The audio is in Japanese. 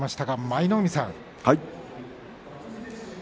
舞の海さん